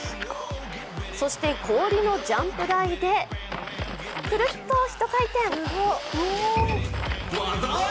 そして、氷のジャンプ台でクルッと一回転。